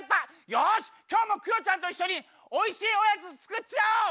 よしきょうもクヨちゃんといっしょにおいしいおやつつくっちゃおう！